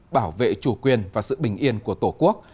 bảo vệ chủ quyền và sự bình yên của tổ quốc